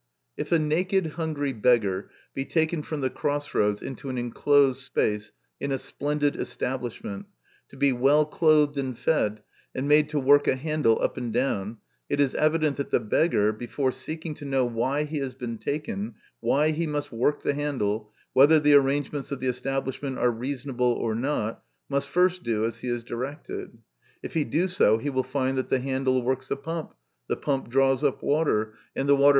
If a naked, hungry beggar be taken from the cross roads into an enclosed space in a splendid establishment, to be well clothed and fed, and made to work a handle up and down, it is evident that the beggar, before seeking to know why he has been taken, why he must work the handle, whether the arrangements of the establishment are reasonable or not, must first do as he is directed. If he do so he will find that the handle works a pump, the pump draws up water, and the water MY CONFESSION.